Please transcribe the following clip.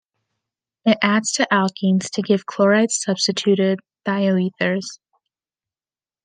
It adds to alkenes to give chloride-substituted thioethers.